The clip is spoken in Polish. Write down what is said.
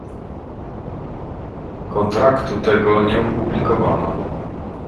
Kontraktu tego nie opublikowano